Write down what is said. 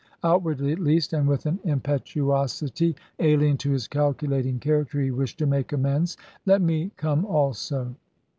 Outwardly at least, and with an impetuosity alien to his calculating character, he wished to make amends. "Let me come also."